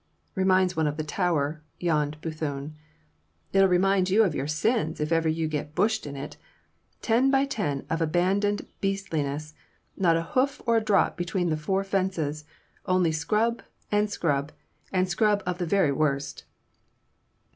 "Reminds one of the Tower," yawned Bethune. "It'll remind you of your sins if ever you get bushed in it! Ten by ten of abandoned beastliness; not a hoof or a drop between the four fences; only scrub, and scrub, and scrub of the very worst.